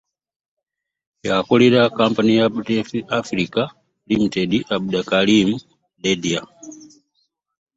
Y'akulira kkampuni ya Biofertilizer Africe Ltd Abduhkarim Dedya